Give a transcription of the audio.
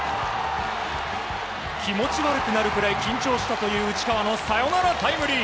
気持ち悪くなるくらい緊張したという内川のサヨナラタイムリー！